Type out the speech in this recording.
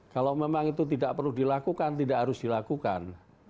kalau memang itu tidak perlu dilakukan tidak harus dilakukan